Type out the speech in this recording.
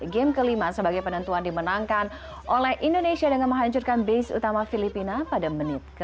game kelima sebagai penentuan dimenangkan oleh indonesia dengan menghancurkan base utama filipina pada menit ke enam